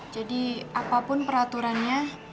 jadi apapun peraturannya